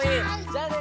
じゃあね。